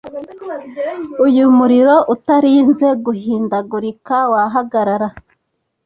Uyu muriro utarinze guhindagurika wahagarara